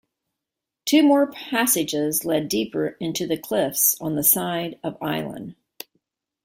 Two more passages lead deeper into the cliffs on the side of island.